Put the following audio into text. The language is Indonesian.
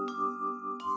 terima kasih yoko